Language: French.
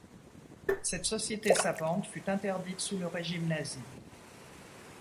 Cette société savante fut interdite sous le régime nazi.